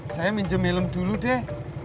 saya minjem helm dulu deh